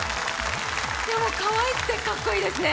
かわいくてかっこいいですね！